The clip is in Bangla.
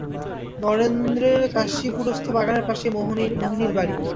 নরেন্দ্রের কাশীপুরস্থ বাগানের পাশেই মোহিনীর বাড়ি।